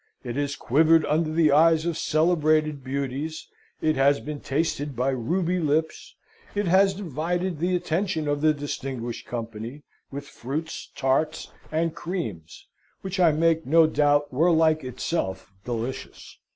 It has quivered under the eyes of celebrated beauties, it has been tasted by ruby lips, it has divided the attention of the distinguished company, with fruits, tarts, and creams, which I make no doubt were like itself delicious."